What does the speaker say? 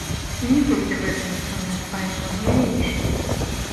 І не толькі гэты інструмент, а і многія іншыя.